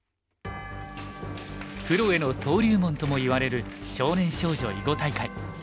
プロへの登竜門ともいわれる少年少女囲碁大会。